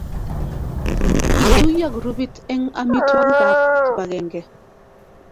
Kituyo grupit emg amitwokik ab kipagenge